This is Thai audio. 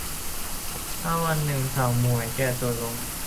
ถ้าวันนึงสาวหมวยแก่ตัวลง